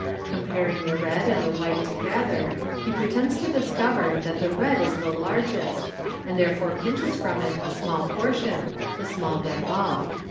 Comparing the red and the white together, he pretends to discover that the red is the largest, and therefore pinches from it a small portion (the small red ball).